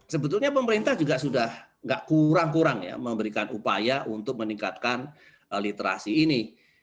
sebetulnya pemerintah juga sudah tidak kurang kurang ya memberikan upaya untuk meningkatkan literasi ini